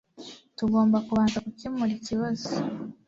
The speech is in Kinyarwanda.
Tugomba kubanza gukemura ikibazo.